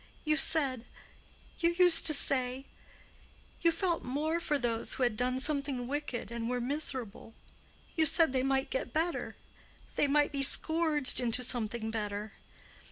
"You said—you used to say—you felt more for those who had done something wicked and were miserable; you said they might get better—they might be scourged into something better.